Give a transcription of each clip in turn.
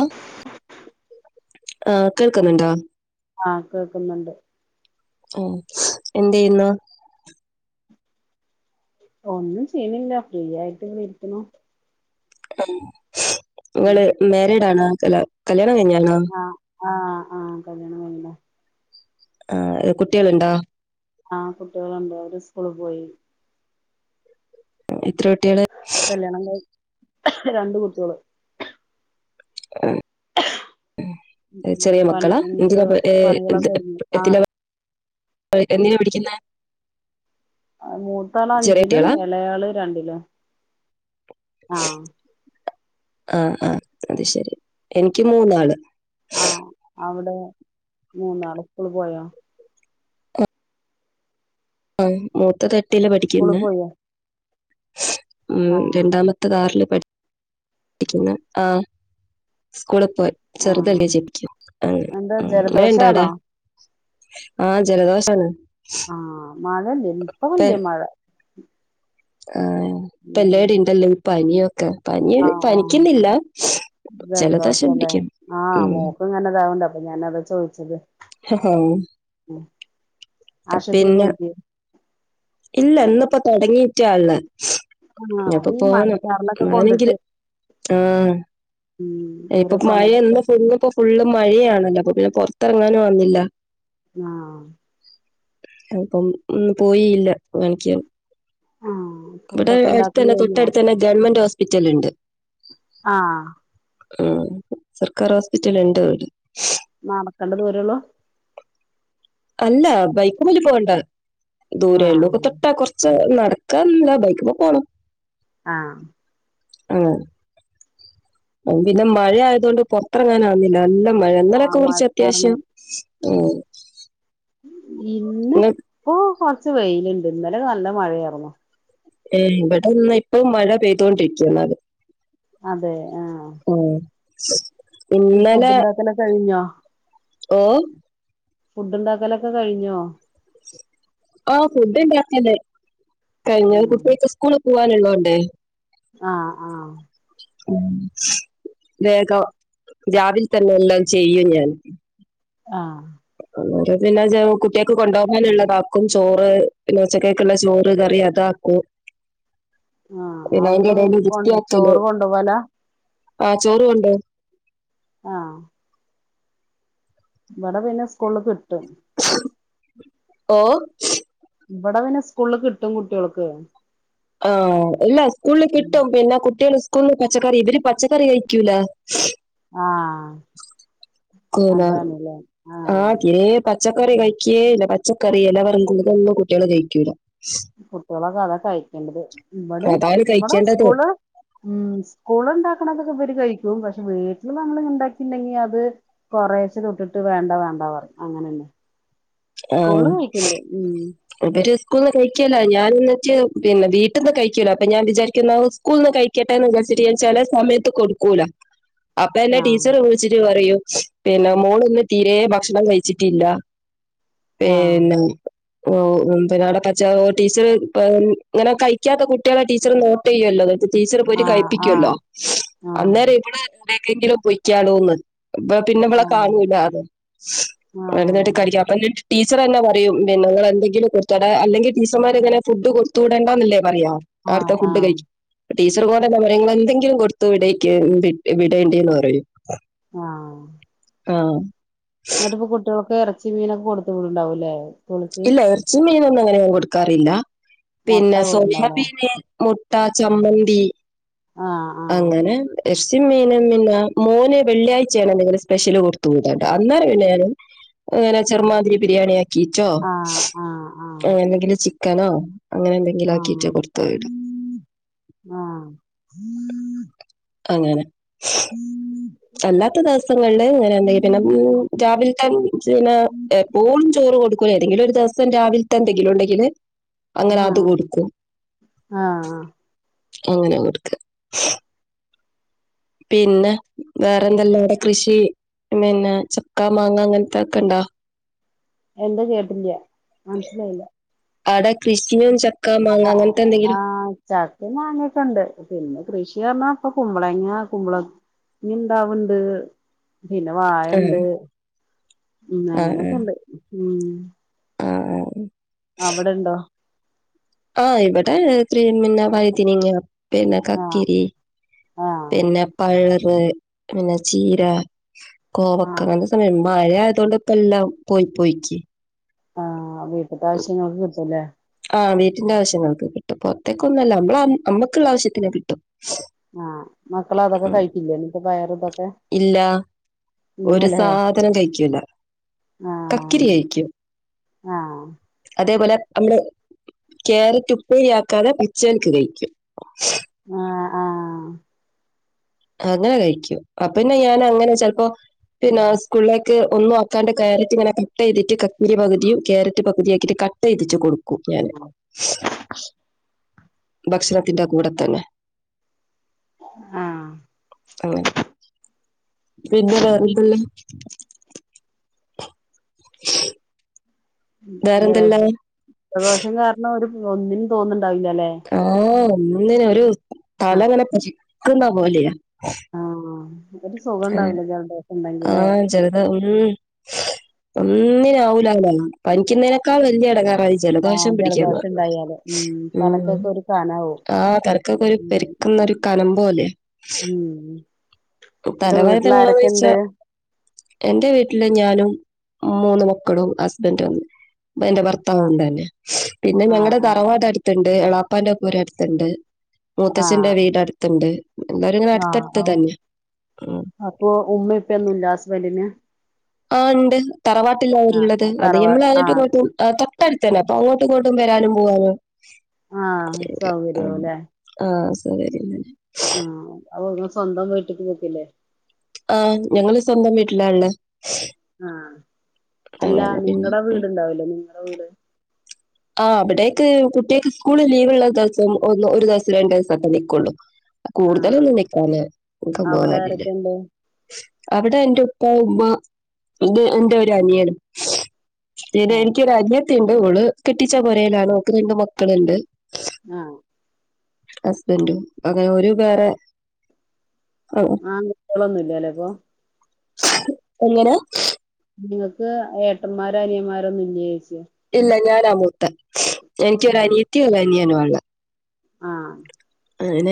ആ ആഹ് കേൾക്കുന്നുണ്ടോ ആഹ്കേൾക്കുന്നുണ്ട് അ എന്തെയ്യുന്നു ഒന്നും ചെയ്യണില്ല ഫ്രീയായിട്ട് ഇങ്ങനെ ഇരിക്ക്ണു ഉം ങ്ങള് മേരീഡ് ആണോ അല്ലകല്യാണം കയിഞതാണൊ ആഹ്ആഹ് ആഹ് കല്യാണംകഴിഞ്ഞിക്ക്ണ് അ ആഹ് കുട്ട്യാളുണ്ടൊ ആഹ് കുട്ട്യാള്ണ്ട് ഓര് സ്ക്കൂള് പോയി എത്ര കുട്ട്യാള് കല്യാണം കയി രണ്ട് കുട്ട്യാള് ഹ്‌ ഉം ഉം ചെറിയ പണി മക്കളാ എന്നിട്ട് എന്തിനാ പഠി പണികളൊക്കെ ഒരുങ്ങി ആഹ് എന്തിനപഠി എന്തിനാ പഠിക്കുന്നെ അഹ് മൂത്താള് ചെറിയ അഞ്ചിലും കുട്ടികളാ എളേ ആള് രണ്ടിലും ആണ് ആഹ് ആഹ് ആഹ്അത് ശരി എനിക്ക് മൂന്നാള് ആഹ് അവിടെ മൂന്നാള് സ്ക്കൂള് പോയോ ആഹ് മൂത്തത് എട്ടില് സ്കൂള് പഠിക്കിന്ന് പോയോ ഉം ആഹ് രണ്ടാമ ത്തത് ആറില് പട്ക്ക്ന്നേ ആഹ് സ്കൂളി പോയി ആഹ് ചെറുതല്ലേ ശരിക്കും എന്താ മഴണ്ടാടെ ജലദോഷാണോ ആഹ് ജലദോശാണ് ആഹ് മഴല്ല്യ ഇപ്പ ഇല്യാ മഴ ആഹ് ഇപ്പ ഉം എല്ലാടിണ്ടല്ലോ പനിയൊക്കെ പനിപനിക്കുന്നില്ല ജലദോശലേ ആഹ് മൂക്ക് ങ്ങനെദാവ്ണ്ട് അപ്പം ഞാനതാ ചോയ്ച്ചത് ഹെഹേം ഉം ആശുപത്രി പിന്നെ പോയില്ലേ ഇല്ല ഇന്ന് ഇപ്പോ തൊടങ്ങിട്ടാള്ളഹ് ആഹ് അപ്പൊ ഈ പോണം മഴച്ചാറിലൊക്കെ കൊണ്ടിട്ട് ആനെങ്കില് ആഹ് ഉം ഏഹ് ഇപ്പൊ ഓരോ മഴ പണികളൊക്കെ ന്ന് ഫുള്ള് പ്പൊ ഫുള്ള് മഴയയാണല്ലോ അപ്പൊ പിന്നെ പുറത്തിറങ്ങാനും വന്നില്ല ങ്ങാഹ് അഹ് പ്പം ന്ന് പോയീല്ല കാൻക്യാൻ ആഹ് ഇവടെ ഫുഡൊക്കെ ഉണ്ടാക്കല് അടുത്തന്നെ കഴിഞ്ഞോ തൊട്ടട് തന്നെ ഗവൺമെന്റ് ഹോസ്പിറ്റല്ണ്ട് ആഹ് ആഹ് സർക്കാർ ഹോസ്പിറ്റല്ണ്ട് വടെ നാടക്കള്ള ദൂരള്ളൂ അല്ല ബൈക്മ്മല് പോണ്ട ദൂരേള്ളൂ ആഹ് ഒക്കെ തൊട്ടാ കുറച്ച് നട കൻല്ല ബൈക്ക്മ്മേ പോണം ആഹ് ആഹ് അഹ് പിന്നെ മഴ ആയതൊണ്ട് പൊർത്തിറങ്ങാനാവുന്നില്ല നല്ല മഴ ഇന്നലൊക്കെ ആഹ് കുറച്ച് മഴച്ചാറിന് അത്യാവശ്യം [unintelligible] ഇന്ന് ഇപ്പൊ കൊർച്ച് വെയിലുണ്ട് ഇന്നലെ നല്ല മഴയായിരുന്നു ഏഹ് ഇവിടെന്ന് ഇപ്പം മഴ പെയ്തോണ്ടിരിക്ക ന്നാല് അതെ ആഹ് ആഹ് ഇ ഫുഡ്ണ്ടാക്കലൊകെഴിഞ്ഞോ ഓഹ് ഫുഡ് ണ്ടാക്കലൊക്കെ കഴിഞ്ഞോ ആഹ് ഫുഡ് ണ്ടാക്കല്ലേ കഴിഞ് കുട്ട്യേക്ക് സ്കൂളിൽ പോവാൻള്ളതോണ്ടേ ആഹ് ആഹ് വേഗം രാവിൽ തന്നെ എല്ലാം ചെയ്യും ഞാൻ ആഹ് [unintelligible] അഹ് പിന്നെ [unintelligible] കുട്ട്യേക്ക് കൊണ്ടോകാനുള്ളതാക്കും ചോറ് പിന്നെ ഉച്ചക്കേക്ള്ള ചോറ് കറി അതാക്കും ആഹ് പിന്നെ അവര് ആയ്ന്റെടേൽ കൊ വൃത്യാക്കല് ചോറ് കൊണ്ടുപോല ആഹ് ചോറ് കൊണ്ടോഉം ആഹ് ഇവിടെ പിന്നെ സ്കൂളിൽ കിട്ടും ഓഹ് ഇവിടെ പിന്നെ സ്കൂളിൽ കിട്ടും കുട്ടികൾക്ക് ആഹ് ഇല്ല സ്കൂളിൽ കിട്ടും പിന്നെ കുട്ടികള് സ്കൂളിന്ന് പച്ചക്കറി ഇവര് പച്ചക്കറി കഴിക്കൂല ആഹഹ് ക്കൂല ആഹ് അഹ് യേ പച്ചക്കറി കഴിക്കേ ഇല്ല പച്ചക്കറി എലവർഗ്ഗങ്ങൾ ഇതൊന്നും കുട്ടികള് കഴിക്കൂല കുട്ടികളൊക്കെ അതാ കഴിക്കേണ്ടത് ഇവിടെ അതാണ് ഇവിടെ കഴിക്കേണ്ടത് സ്കൂള് ഉം സ്കൂളിണ്ടാക്കണതൊക്കെ ഇവര് കഴിക്കും പക്ഷെ വീട്ടില് ഞ ങ്ങൾ ഉണ്ടാക്കിണ്ടെങ്കി അത് കൊറേച്ചെ തൊട്ടിട്ട് വേണ്ട വേണ്ട പറയും അങ്ങനെന്നെ ആ സ്കൂളില് കഴിക്ക്ണ്ട് ഉം ഇവര് സ്കൂളിൽ നിന്ന് കഴിക്കോ ലൊ ഞാൻ എന്നിട്ട് പിന്നെ വീട്ടിൽന്ന് കഴികൂല അപ്പൊ ഞാൻ വിചാരിക്കുന്നത് സ്കൂളിന്ന് കഴിക്കട്ടേന്ന് വിചാരിചിട്ട് ഞാൻ ചെല സമയത്ത് കൊടുക്കൂല അപ്പ എന്നെ ആഹ് ടീച്ചർ വിളിച്ചിട്ട് പറയും പിന്നെ മോളിന്ന് തീരേ ഭക്ഷണം കഴിച്ചിട്ടില്ല ആഹ് പിന്നെ ഓഹ് പിന്നവിടെ പച്ച ടീച്ചർ ഇങ്ങനെ കഴിക്കാത്ത കുട്ടികളെ ടീച്ചർ നോട്ട് ചെയ്യുവല്ലൊ അത് ടീച്ചറ് പോയിട്ട് കഴിപ്പിക്കോല്ലൊ ആഹ് ആഹ് അന്നേരം ഇവിടെ ഇവിടേ ക്കെങ്കിലും പൊയ്ക്കാലോന്ന് ഇപ്പ പിന്നെ ഇവളെ ആഹ് കാണൂല്ലാന്ന് ആഹ് അത് [inaudible] വതായിട്ട് ആഹ് കഴിക്കാം അപ്പൊ ടീച്ചർ തന്നെ പറയും പിന്നെങ്ങൾ എന്തെില കൊട അല്ലെങ്കിൽ ടീച്ചർമാർ ഇങ്ങനെ ഫുഡ് കൊടുത്തു വിടണ്ടന്നല്ലേ പറയാ അവ്ടത്തെ ആഹ് ഫുഡ് ആഹ് കഴി ടീച്ചർ ഇതുപോലെന്നെ പറയും ഇങ്ങള് എന്തെങ്കിലും കൊടുത്തു വിട വിടേണ്ടിന്ന് പറയും ആഹ് ആഹ് എന്നിട്ടിപ്പ കുട്ടികൾക്ക് എറച്ചി മീനൊക്കെ കൊടുത്ത് വിടുണ്ടാവൂല്ലേ സ്കൂളിക്ക് ഇല്ല എറചീമ് മീനൊന്നും അങ്ങനെ കൊടുക്കാറില്ല മുട്ട പിന്നെ കൊടുക്കണ്ടാവൂലേ സോയാബീന് മു ട്ട, ചമ്മന്തി ആഹ് ആഹ് അങ്ങനെ സ്പെഷ്യൽ മീനും പിന്നെ മോന് വെള്ളിയാഴ്ച്ചയാണ് എന്തെങ്കിലും സ്പെഷ്യല് കൊടു ത്ത് വിടേണ്ട അന്നേരം പിന്നെ ഞാന് അങ്ങനെ ചെർ്മാതിരി ബിരിയാണി ആ റ്റോ ആഹ് ആഹ് എന്തെങ്കിലും ചിക്കനോ അങ്ങനെ എന്തെങ്കിലും ആക്കീറ്റോ ആഹ് കൊടുത്തുവിടും ആഹ് അങ്ങനെ ഉം അല്ലാത്ത ദെവസങ്ങളില് ഇങ്ങനെതന്നെ പിന്നെ രാവിലെത്ത പിന്നെ എപ്പോഴും ചോറ് കൊടുക്കൂ ല ഏതെങ്കിലും ഒരു ദിവസം രാവിലത്തെ എന്തെങ്കിലും ഉണ്ടെങ്കില് അങ്ങനെ ആഹ് അത് ആഹ് കൊടുക്കും ആഹ് അങ്ങന കൊടുക്ക പിന്നെ വേറെന്തെല്ലാവ്ടെ കൃഷി പിന്നെ ചക്ക മാങ്ങ അങ്ങനത്തേക്കെ ഉണ്ടോ എന്താ കേട്ടില്ല മനസ്സിലായില്ല അവിടെ കൃഷിയും ചക്കാ മാങ്ങ അങ്ങനത്തെ എന്തെങ്കിലും ചക്കെ മാങ്ങെക്കൊണ്ട് പിന്നെ കൃഷി പറഞ്ഞാ ഇപ്പ കുമ്പളങ്ങ കുമ്പള ണ്ടാവണ്ട് പിന്നെ ആ വാഴണ്ട് ഉം ആഹ് അങ്ങനെക്കെ ഉണ്ട് ഉം ആഹ് അവിടൊണ്ടോ ആ ഇവിടെത്രേം പിന്നെ വൈതനിങ്ങ പിന്നെ ആഹ് കക്കിരി ആഹ് പിന്നെ പയറ് പിന്നെ ചീര കോവക്ക ആഹ് അങ്ങനത്തെ സമയം മഴ ആയതുകൊണ്ട് പ്പല്ലാം പോയി പോയിക്ക് ആഹ് വീട്ടത്തെ ആവശ്യങ്ങൾക്ക് കിട്ടൂലേ ആ് വീട്ടിന്റെ ആവശ്യങ്ങൾക്ക് കിട്ടും പുറത്തേക്ക് ഒന്നുമല്ല നമ്മള അമ്മക്കുള്ള ആവശ്യത്തിന് കിട്ടും ആഹ് മക്കള അതൊക്കെ ഉം കഴിക്കില്ലേ ഇപ്പ പയറ് ഇതൊക്കെ ഇല്ല ഒരു ഇല്ലല്ലേ സാധനം കഴിക്കൂല ആഹ് കക്കിരിയയിക്കും ആഹ് അതേപോലെ നമ്മള് കാരറ്റ് ഉപ്പേരി ആക്കാതെ പച്ചക്ക് കഴിക്കും ആഹ് ആഹ് അങ്ങനെ കഴിക്കും അപ്പന്നെ ഞാൻ അങ്ങനെ ചെലപ്പോ പിന്നെ സ്കൂളിലേക്ക് ഒന്നും ആക്കാണ്ട് ക്യാരറ്റ് ഇങ്ങനെ കട്ട് ചെയ്തിട്ട് കക്കിരി പകുതിയും ക്യാരറ്റ് പകുതിയാക്കിയിട്ട് കട്ട് വീതിച്ചു കൊടുക്കും ഞാന് ഭക്ഷണത്തിന്റെ കൂടെ തന്നെ ആഹ് അങ്ങനെ പിന്നെ വേറെന്തുള്ളേ ജല വേറെന്തല്ല ജലദോഷം കാരണം ഒരു ഒന്നിനും തോന്നുന്നുണ്ടാവില്ല അല്ലെ ആഹ് ഒന്നിനെ ഒരു തല ആഹ് ഇങ്ങനെ ചിക്കുന്ന പോലെയാ ആഹ് ഒരു സുഖംണ്ടാവില്ലല്ലോ അവിടെ ആഹ് ചെറുതാ ഉം ഒന്നിനും ആവൂല അങ്ങന പനിക്കുന്നതിനേക്കാൾ വലിയ ഇടങ്ങാറായി ആഹ് ജലദോഷം പിടിക്കാന്ന് ജലദോഷം പറഞ്ഞ ഉണ്ടായാല് ഉം തലക്കൊക്കെ ഒരു കനാവും ആ തലക്കൊക്കെ ഒരു പെര് ഉം ന്ന ഒരു കനം പോലെ ഉം എന്നിട്ട് വീട്ടിൽ ആരൊക്കെ തലവേദനന്ന്വെച്ച ഉണ്ട് എന്റെ വീട്ടില് ഞാനും മൂന്ന് മക്കളും ഹസ്ബൻഡും ന്ന് എന്റെ ആഹ് ഭർത്താവ്ണ്ട് തന്നെ പിന്നെ ആഹ് ഞങ്ങടെ തറവാട് അട് അടുത്തണ്ട് എളാപ്പാന്റെ പൂര അടുത്തുണ്ട് ആഹ് മൂത്തച്ഛന്റെ ആഹ് വീട് അടുത്തുണ്ട് എല്ലരും ഇങ്ങനെ ആഹ് അടുത്തടുത്ത് ആഹ് തന്നെ ഉം അപ്പൊ ഉമ്മ ഉപ്പൊന്നുംല്ല ഹസ്ബൻഡിന് ആ ഉണ്ട് തറവാട്ടിലാ അവരുള്ളത് ആഹ് അത് തറവാ ഞമ്മൾ ആലാട്ട് ആഹ് പോയപ്പം തൊട്ടടുത്ത് തന്നെ അപ്പൊ അങ്ങോട്ടും ഇങ്ങോട്ടും വരാനും പോവാനും ആഹ് സൗകര്യവുംല്ലേ ആഹ് സരിയെന്നാ ആ അപ്പൊ നിങ്ങൾ സ്വന്തം വീട്ടിക്ക് പോകില്ലേ ആഹ് ഞങ്ങള് സ്വന്തം വീട്ടിലാള്ളേ ആഹ് അല്ല നിങ്ങടെ ഉം. വീടുണ്ടാവിലേ നിങ്ങടെ വീട് ആ അവിടേക്ക് കുട്ടികക്ക് സ്കൂള് ലീവ് ഉള്ള ദിവസം ഒന്ന് ഒരു ദിവസം രണ്ടു ദിവസം ഒക്കേ നിൽക്കുള്ളൂ ആഹ് കൂടുതലൊന്നും നിക്കാറ്ല്ലേ ന്ക്ക് അവിടെ പോവാറില്ലേ ആരൊക്കെണ്ട് അവിടെ എന്റെ ഉപ്പ ഉമ്മ എന്റെ ഒരു അനിയനും പിന്നെ എനിക്കൊരു അനിയത്തിയൊണ്ട് അവള് കെട്ടിച്ച പുരയിലാണ് ഓക്ക് രണ്ട് മക്കളുണ്ട് ആഹ് ഹസ്ബൻഡും അങ്ങനെ ഓരു വേറെ ആൺകുട്ടികൾ ഒന്നും ഇല്ലല്ലേ അപ്പൊ എങ്ങനെ നിങ്ങക്ക് ഏട്ടന്മാരോ അനിയന്മാരോ ഒന്നുലെ ചോയ്ക്ക ഇല്ല ഞാനാമുത്ത എനിക്കൊരു അനിയത്തിയു അനിയനാനുള്ള ആഹ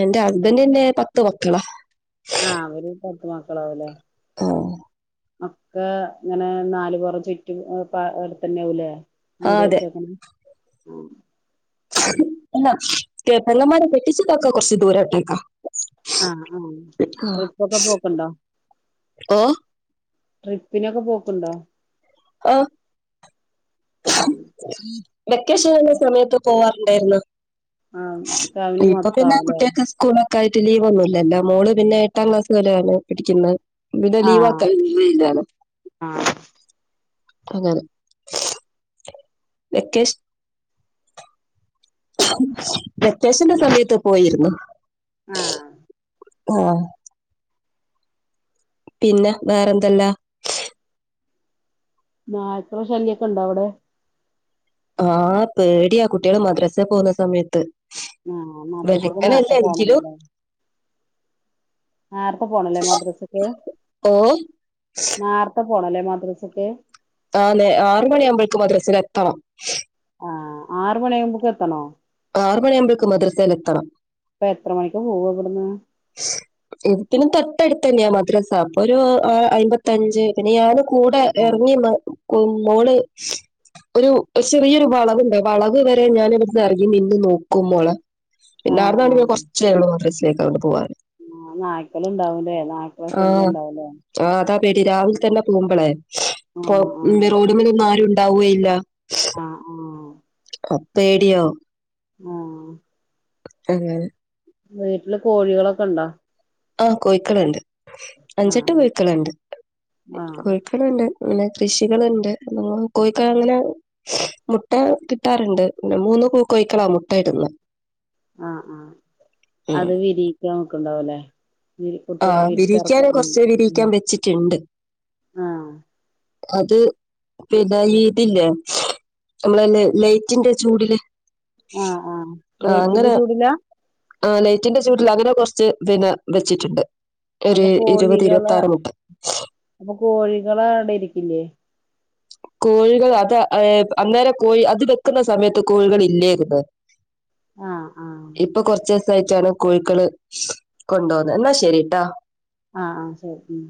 എന്റെ ഹസ്ബൻഡറിന്റെ പത്ത് മക്കളാ ആഹ് അവര് പറത്ത് മക്കളാവല്ലേ ആ ഒക്കെ ഇങ്ങനെ നാല് പൊറം ചുറ്റ അട്ത്തന്നെ ആവുലെ ആ വീട് അതെ വെച്ചേക്ക്ണ് ആ അല്ല പെങ്ങമാരെ കെട്ടിച്ചതോക്കെ കൊറച്ച് ദൂരൊട്ടേക്കാ ആ ആ ട്രിപ്പൊക്കെ പോക്ക്ണ്ടോ ഓ ട്രിപ്പിനൊക്കെ പോക്ക്ണ്ടോ ആ ആഹ് വെക്കേഷൻന്ന സമയത്ത് പോവാറ് ഇണ്ടായിര്ന്നു ആ ഫാമിലി മൊത്താവല്ലേ കുട്ടികൾക്ക് സ്കൂളൊക്കെ ആയിട്ട് ലീവ് ഒന്നു ഇല്ലല്ലോ മോള് പിന്നെ എട്ടാം ക്ലാസ് ല്ലെ പിഠിക്ക്ന്ന് പിന്നെ ലീവ ആഹ് ആക്കലില്ലാല്ലോ ആഹ് അങ്ങനെ വെക്കേഷ വെക്കേഷന്റെ സമയത്ത് പോയിര്ന്നു ആഹ് ആ പിന്നെ വേറെ എന്തല്ലാ നായക്കളെ ശല്യൊക്കെ ഉണ്ടോ അവിടെ ആ പേടിയാ കുട്ടികള് മദ്രസ പോന്ന സമയത്ത് ആഹ് മദ്രസക്ക് വെളുക്കനല്ല നേരത്തെ എങ്കിലും പോണല്ലോല്ലോ നേരത്തെ പോണല്ലേ മദ്രസക്ക് ഓ നേരത്തെ പോണല്ലേ മദ്രസക്ക് ആന്നെ ആറ് മണിയാവുമ്പോൾക്ക് മദ്രസയിൽ എത്തണം ആഹ് ആറ മണി ആകുമ്പോക്ക് എത്തണോ ആറ് മണിയാവുമ്പോഴക്ക് മദ്രാസ്സയിൽ എത്തണം അപ്പൊ എത്ര മണിക്ക് പോവ ഇവിടന്ന് ഇത്തി തൊട്ടടുത്ത് തന്നെയാ മദ്രാസ അപ്പൊ ഒരു അമ്പത്തി- ത്തഞ്ച് പിന്നെ ഞാന് കൂടെ ആ ഇറങ്ങി നിന്നൊടുക്കും മോള് ഒരു ചെറിയൊരു വളവണ്ട് വളവ് വരെ ഞാൻ ഇവിടുന്ന് അറങ്ങി നിന്ന് നോക്കു മോളെ ആ പിന്നെ ആ അർന്നാണ്ട് കുറച്ചേള മദ്രസ ലേക്ക് അങ്ങോട്ട പോകെ ആ നായ്ക്കള ണ്ടാവൂലേ നായ്ക്കള ശല്യം ഉണ്ടാവൂലേ ആ അതാ പേടി രാവിലെ തന്നെ പോകുമ്പോളെ ആ ആ [unintelligible] റോഡമലോന്നും ആരും ഉണ്ടാവുകയില്ല ആ ആ പേടിയാവും ആഹ് [unintelligible] വീട്ടില് കോഴികളൊക്കെ ഉണ്ടോ ആഹ് കോഴക്കളുണ്ട് ആ അഞ്ചെട്ട് കോഴക്കളുണ്ട് ആ കോ [unintelligible] അങ്ങനെ കൃഷികളുണ്ട് കോഴിക്കോ അങ്ങനെ മുട്ട കിട്ടാറുണ്ട് പിന്നെ മൂന്ന് പൂ കോഴക്കളാ മുട്ട ഇടുന്ന ആഹ് ആഹ് ഉം അത് വിരിയിക്കാൻ വെക്കുണ്ടാവല്ലേ ഇനി കുട്ടികളെ ആഹ് വിരിയിക്കാന് വിരിച്ചറക്കൂം കുറച്ച് ം വിരിയിക്കാൻ വെച്ചിട്ടുണ്ട് ആഹ്. അത്- പിന്നെ ഈ ഇതില്ലേ നമ്മളെ ലൈറ്റിന്റെ ചൂടില് ആ ആ ആഹ് ലൈറ്റിന്റെ അങ്ങനെ ചൂടിലാ ആഹ് ലൈറ്റിന്റെ ചൂട്ലങ്ങനെ കൊറച്ച് പിന്നെ വെച്ചിട്ട്ണ്ട്. ഒരു അപ്പൊ ഇരുപത് കോഴികള് ഇരുപത്തിആറ് മുട്ട. അപ്പൊ കോഴികളട ഇരിക്കില്ലേ? കോഴികൾ അത് ഏ അന്നേരം കോഴി അത് വെക്കുന്ന സമയത്ത് കോഴികളില്ലേര്ന്ന്. ആ ആ ഇപ്പൊ കൊർച്ചീസായിട്ടാണ് കോഴിക്കള് കൊണ്ടോന്ന് ന്നാ ശരിട്ടൊ. ആഹ് ആഹ് ശരി.